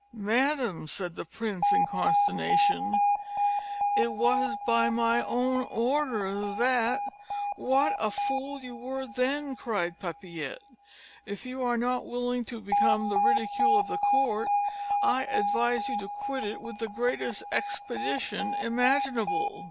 "Madam," said the prince, in consternation, "it was by my own order that " "What a fool you were then!" cried Papillette. "If you are not willing to become the ridicule of the court, I advise you to quit it with the greatest expedition imaginable."